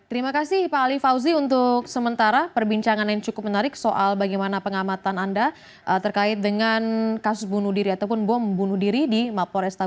terima kasih pak ali fauzi untuk sementara perbincangan yang cukup menarik soal bagaimana pengamatan anda terkait dengan kasus bunuh diri ataupun bom bunuh diri di mapo restabes